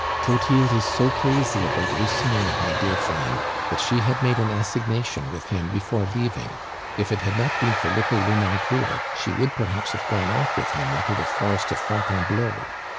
"Clotilde is so crazy about Lucien, my dear friend, that she had made an assignation with him before leaving. If it had not been for little Lenoncourt, she would perhaps have gone off with him into the forest of Fontainebleau.